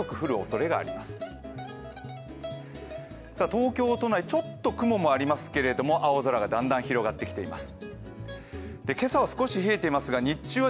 東京都内、ちょっと雲もありますけれども、青空がだんだん広がってきています。